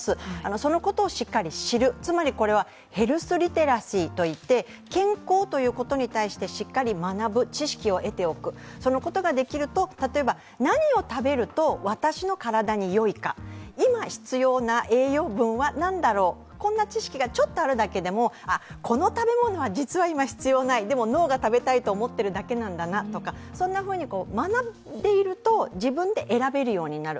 そのことをしっかり知る、つまりこれはヘルスリテラシーといって健康ということに対してしっかり学ぶ、知識を得ておく、そのことができると例えば何を食べると私の体によいか今必要な栄養分は何だろう、こんな知識がちょっとあるだけでも、この食べ物は実は今、必要ない、でも脳が食べたいと思ってるだけなんだなとかそんなふうに学んでいると、自分で選べるようになる。